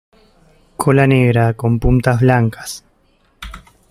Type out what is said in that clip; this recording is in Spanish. Cola negra con puntas blancas.